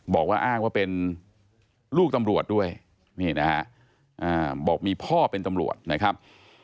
บอกว่าอ้างว่าเป็นลูกตำรวจด้วยนี่นะฮะบอกมีพ่อเป็นตำรวจนะครับ